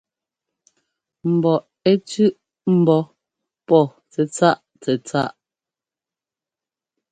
Mbɔ ɛ́ tsʉ̄ꞌ ḿbɔ́ pɔ́ tsɛ́tsáꞌ tsɛ́tsáꞌ.